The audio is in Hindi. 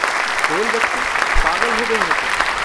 गोल बक्से? पागल हो गई हो क्या?